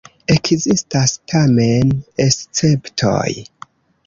Ekzistas tamen esceptoj.